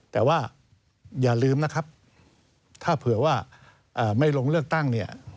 แต่ว่าอย่าลืมนะครับถ้าเผื่อว่าไม่ลงเลือกตั้งเนี่ย